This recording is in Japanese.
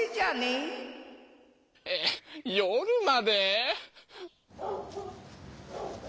えっ夜まで！？